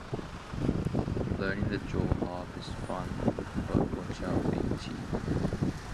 Learning the jaw harp is fun but watch out for your teeth